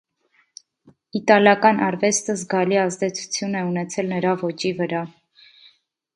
Իտալական արվեստը զգալի ազդեցություն է ունեցել նրա ոճի վրա։